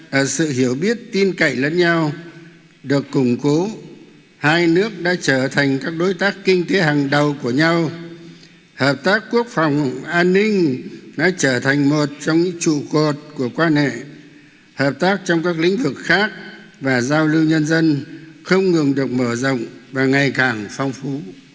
và sự hiểu biết tin cậy lẫn nhau được củng cố hai nước đã trở thành các đối tác kinh tế hàng đầu của nhau hợp tác quốc phòng an ninh đã trở thành một trong những trụ cột của quan hệ hợp tác trong các lĩnh vực khác và giao lưu nhân dân không ngừng được mở rộng và ngày càng phong phú